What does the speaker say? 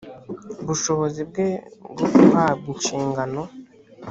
bushobozi bwe bwo guhabwa inshingano